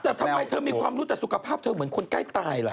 แต่ทำไมเธอมีความรู้แต่สุขภาพเธอเหมือนคนใกล้ตายล่ะ